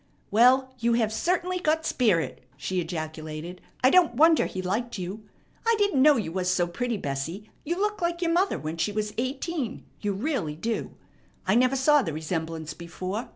"Well, you certainly have got spirit," she ejaculated. "I don't wonder he liked you. I didn't know you was so pretty, Bessie; you look like your mother when she was eighteen; you really do. I never saw the resemblance before.